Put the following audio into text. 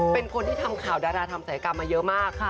เป็นคนที่ทำข่าวดาราทำศัยกรรมมาเยอะมาก